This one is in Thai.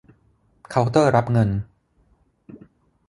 เคาน์เตอร์รับเงิน